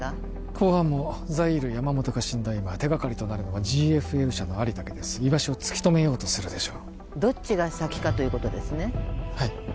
公安もザイール山本が死んだ今手掛かりとなるのはＧＦＬ社のアリだけです居場所を突き止めようとするでしょうどっちが先かということですね